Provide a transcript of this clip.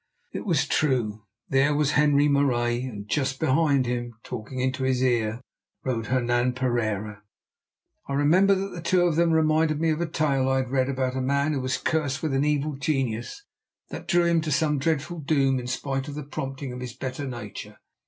It was true. There was Henri Marais, and just behind him, talking into his ear, rode Hernan Pereira. I remember that the two of them reminded me of a tale I had read about a man who was cursed with an evil genius that drew him to some dreadful doom in spite of the promptings of his better nature.